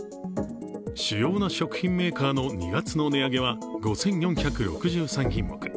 主要な食品メーカーの２月の値上げは５４６３品目。